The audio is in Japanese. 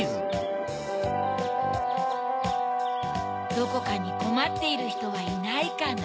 どこかにこまっているひとはいないかな？